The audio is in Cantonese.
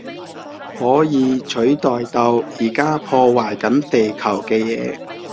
可以取代到而家破壞緊地球嘅嘢